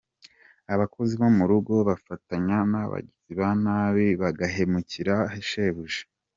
Abakozi bo mu rugo bafatanya n’abagizi ba nabi bagahemukira ba shebuja.